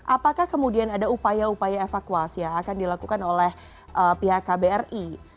apakah kemudian ada upaya upaya evakuasi yang akan dilakukan oleh pihak kbri